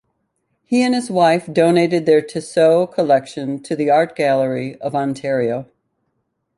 He and his wife donated their Tissot collection to the Art Gallery of Ontario.